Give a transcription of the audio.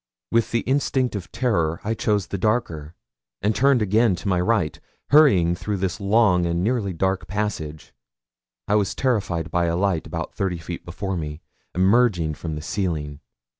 With the instinct of terror I chose the darker, and turned again to my right; hurrying through this long and nearly dark passage, I was terrified by a light, about thirty feet before me, emerging from the ceiling.